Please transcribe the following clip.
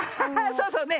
そうそうね。